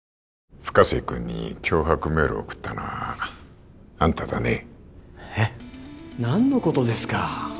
深瀬君に脅迫メールを送ったのはあんただねえッ・何のことですか？